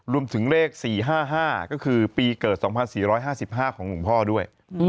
รวมถึงเลข๔๕๕ก็คือปีเกิด๒๔๕๕ของหลวงพ่อด้วย